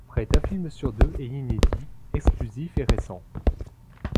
Près d'un film sur deux est inédit, exclusif et récent.